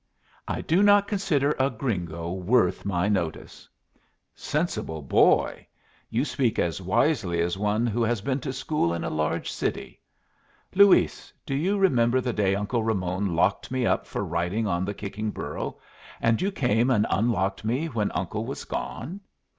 "I do not consider a gringo worth my notice." "Sensible boy! You speak as wisely as one who has been to school in a large city. Luis, do you remember the day Uncle Ramon locked me up for riding on the kicking burro, and you came and unlocked me when uncle was gone?